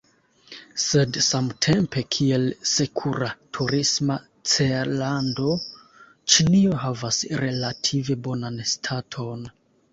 Sed samtempe, kiel sekura turisma cellando, Ĉinio havas relative bonan staton.